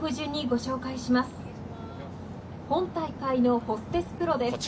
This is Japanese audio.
本大会のホステスプロです。